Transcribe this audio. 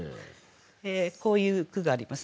こういう句があります。